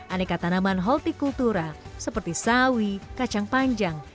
aneka tanaman holti kultura seperti sawi kacang panjang